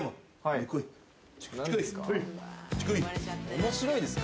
面白いですか？